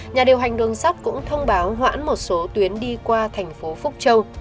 nhà điều hành đường sắt cũng thông báo hoãn một số tuyến đi qua thành phố phúc châu